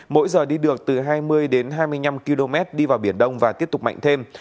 mỗi giờ đi được từ hai mươi đến hai mươi năm km đi vào biển đông và tiếp tục mạnh thêm